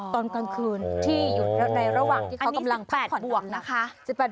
ตอนกลางคืนที่อยู่ในระหว่างที่เขากำลังพักผ่อนบวกนะคะ